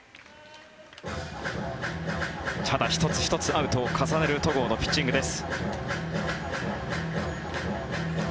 １つ１つアウトを重ねる戸郷のピッチングです。